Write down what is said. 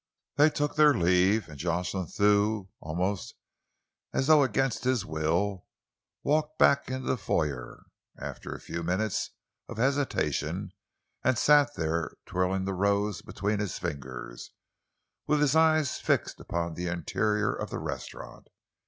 They took their leave, and Jocelyn Thew, almost as though against his will, walked back into the foyer, after a few minutes of hesitation, and sat there twirling the rose between his fingers, with his eyes fixed upon the interior of the restaurant.